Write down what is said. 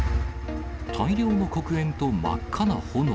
大量の黒煙と真っ赤な炎。